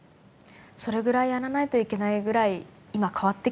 それぐらいやらないといけないぐらい今変わってきてるってことですよね。